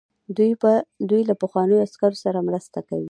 دوی له پخوانیو عسکرو سره مرسته کوي.